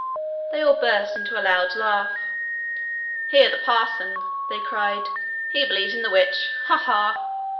They all burst into a loud laugh. 'Hear the parson!' they cried. 'He believes in the witch! Ha! ha!'